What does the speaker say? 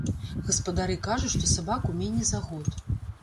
Гаспадары кажуць, што сабаку меней за год.